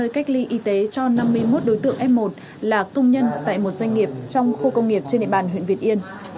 cách ly y tế cho năm mươi một đối tượng f một là công nhân tại một doanh nghiệp trong khu công nghiệp trên địa bàn huyện việt yên